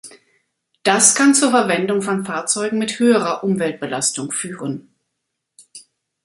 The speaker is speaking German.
Das kann zur Verwendung von Fahrzeugen mit höherer Umweltbelastung führen.